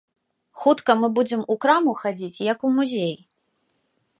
Хутка мы будзем у краму хадзіць, як у музей.